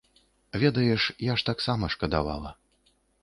Ведаеш, я ж таксама шкадавала.